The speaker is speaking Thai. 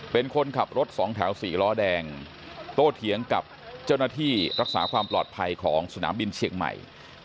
เป็นคนขับรถสองแถวสี่ล้อแดงโตเถียงกับเจ้าหน้าที่รักษาความปลอดภัยของสนามบินเชียงใหม่